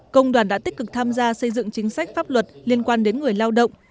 công đoàn đã tích cực tham gia xây dựng chính sách pháp luật liên quan đến người lao động